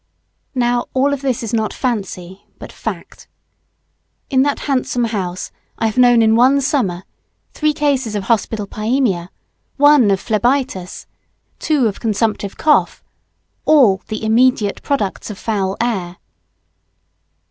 Now all this is not fancy, but fact. In that handsome house I have known in one summer three cases of hospital pyaemia, one of phlebitis, two of consumptive cough; all the immediate products of foul air.